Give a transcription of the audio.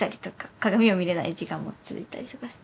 鏡を見れない時間も続いたりとかして。